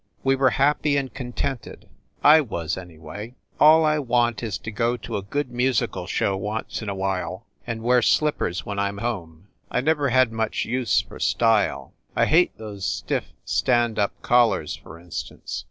We were happy and contented. I was, anyway. All I want is to go to a good musical show once in a while, and wear slippers when I m home. I never had much use for style ; I hate those stiff stand up collars, for instance.